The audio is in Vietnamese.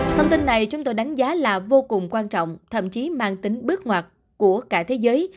thông tin này chúng tôi đánh giá là vô cùng quan trọng thậm chí mang tính bước ngoặt của cả thế giới